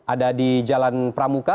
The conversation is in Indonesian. ada di jalan pramuka